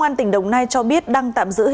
bắt được bốn bị can